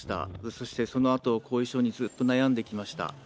そして、そのあと後遺症にずっと悩んできました。